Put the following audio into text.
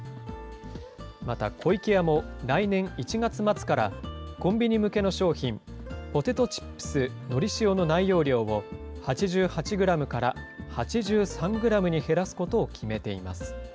また湖池屋も来年１月末から、コンビニ向けの商品、ポテトチップスのり塩の内容量を、８８グラムから８３グラムに減らすことを決めています。